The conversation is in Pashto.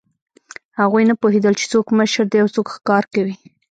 هغوی نه پوهېدل، چې څوک مشر دی او څوک ښکار کوي.